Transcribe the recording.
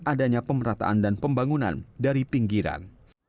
adanya pemerataan dan pembangunan dari pinggiran